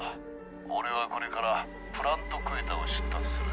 俺はこれからプラント・クエタを出立する。